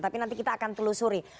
tapi nanti kita akan telusuri